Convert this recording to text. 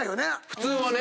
普通はね。